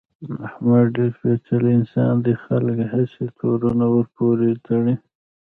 احمد ډېر سپېڅلی انسان دی، خلک هسې تورونه ورپورې تړي.